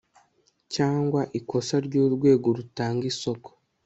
cyangwa ikosa ry urwego rutanga isoko